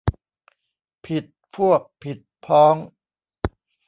ผิดพวกผิดพ้อง